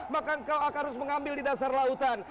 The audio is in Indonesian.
maka engkau akan mengambil di dasar lautan